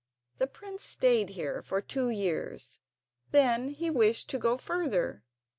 The prince stayed here for two years; then he wished to go further.